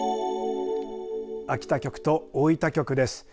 秋田局と大分局です。